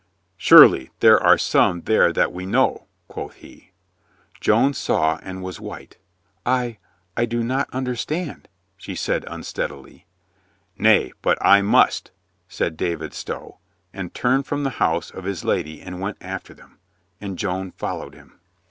"Surely there are some there that we know," quoth he. Joan saw and was white. "I — I do not under stand," she said unsteadily. "Nay, but I must," said David Stow, and turned from the house of his lady and went after them. And Joan followed him.